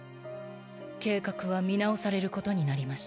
計画は見直されることになりました。